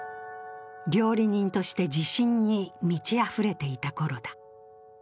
料理人として自信に満ちあふれていたころだ。